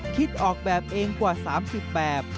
คิดออกแบบเองกว่า๓๐แบบ